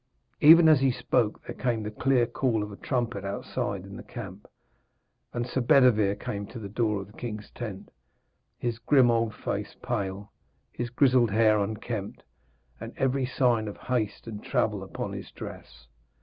Even as he spoke there came the clear call of a trumpet outside in the camp, and Sir Bedevere came to the door of the king's tent, his grim old face pale, his grizzled hair unkempt, and every sign of haste and travel upon his dress.